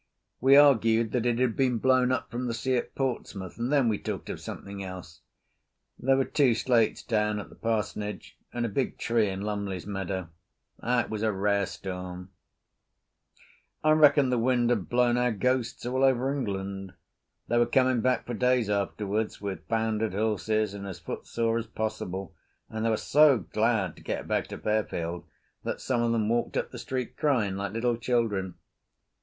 We argued that it had been blown up from the sea at Portsmouth, and then we talked of something else. There were two slates down at the parsonage and a big tree in Lumley's meadow. It was a rare storm. I reckon the wind had blown our ghosts all over England. They were coming back for days afterwards with foundered horses and as footsore as possible, and they were so glad to get back to Fairfield that some of them walked up the street crying like little children.